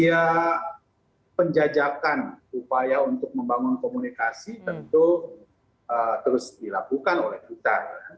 ya penjajakan upaya untuk membangun komunikasi tentu terus dilakukan oleh kita